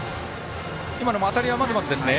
今のも当たりはまずまずですね。